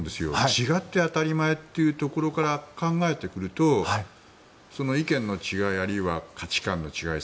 違って当たり前というところから考えてくると意見の違いあるいは価値観の違い